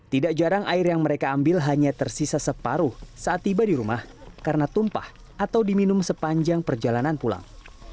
tidak jarang air yang mereka ambil hanya tersisa separuh saat tiba di rumah karena tumpah atau diminum sepanjang perjalanan pulang